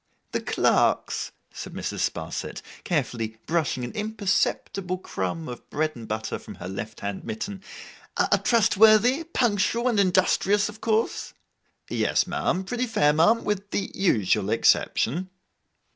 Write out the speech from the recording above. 'The clerks,' said Mrs. Sparsit, carefully brushing an imperceptible crumb of bread and butter from her left hand mitten, 'are trustworthy, punctual, and industrious, of course?' 'Yes, ma'am, pretty fair, ma'am. With the usual exception.